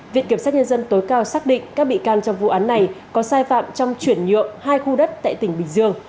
viện kiểm sát nhân dân tối cao xác định các bị can trong vụ án này có sai phạm trong chuyển nhượng hai khu đất tại tỉnh bình dương